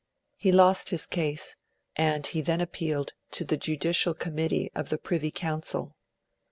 He lost his case; and he then appealed to the judicial Committee of the Privy Council.